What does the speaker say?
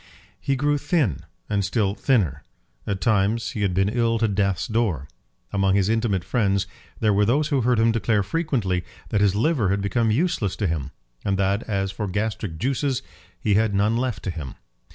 He grew thin, and still thinner. At times he had been ill to death's door. Among his intimate friends there were those who heard him declare frequently that his liver had become useless to him; and that, as for gastric juices, he had none left to him.